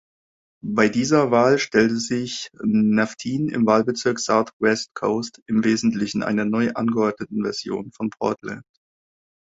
Bei dieser Wahl stellte sich Napthine im Wahlbezirk South-West Coast, in Wesentlichen einer neu angeordneten Version von Portland.